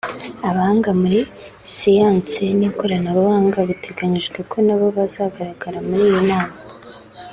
abahanga muri siyansi n’ikoranabuhanga biteganyijwe ko nabo bazagaragara muri iyi nama